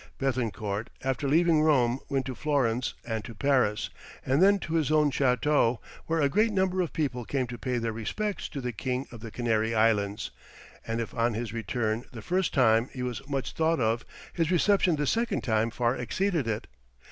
Béthencourt after leaving Rome went to Florence and to Paris, and then to his own chateau, where a great number of people came to pay their respects to the king of the Canary Islands, and if on his return the first time he was much thought of, his reception this second time far exceeded it.